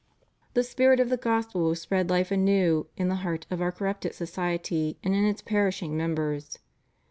579" The spirit of the Gospel will spread life anew in the heart of our corrupted society and in its perishing members.